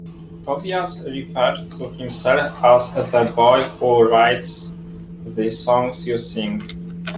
Tobias referred to himself as the boy who writes the songs you sing.